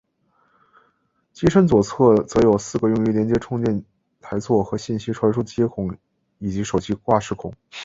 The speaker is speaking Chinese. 机身左侧则有四个用于连接充电台座和信息传输的接孔以及手机挂饰孔。